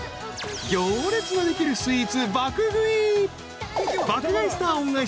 行列のできるスイーツ爆食い！